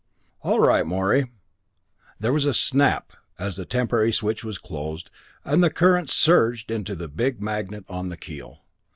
"All right, Morey." There was a snap, as the temporary switch was closed, and the current surged into the big magnet on the keel.